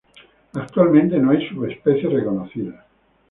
Actualmente no hay subespecies reconocidas.